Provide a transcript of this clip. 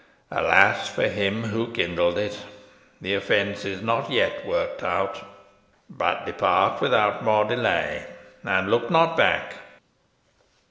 "Alas! for him who kindled it. The offence is not yet worked out. But depart without more delay; and look not back."